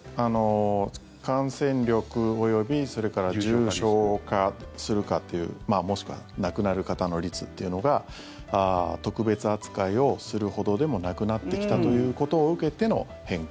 感染力及びそれから重症化するかっていうもしくは亡くなる方の率っていうのが特別扱いをするほどでもなくなってきたということを受けての変更。